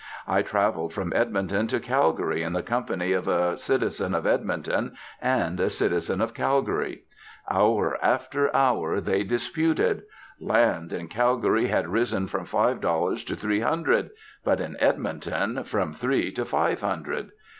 I travelled from Edmonton to Calgary in the company of a citizen of Edmonton and a citizen of Calgary. Hour after hour they disputed. Land in Calgary had risen from five dollars to three hundred; but in Edmonton from three to five hundred.